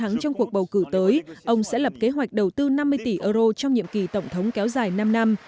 thắng trong cuộc bầu cử tới ông sẽ lập kế hoạch đầu tư năm mươi tỷ euro trong nhiệm kỳ tổng thống kéo dài năm năm